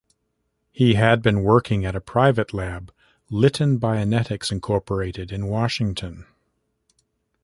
He had been working at a private lab, Litton Bionetics Incorporated in Washington.